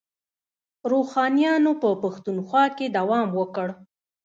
روښانیانو په پښتونخوا کې دوام وکړ.